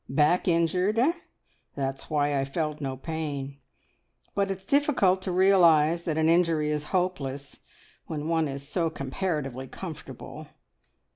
Back injured, eh? That's why I felt no pain, but it's difficult to realise that an injury is hopeless, when one is so comparatively comfortable.